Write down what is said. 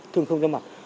thường không ra mặt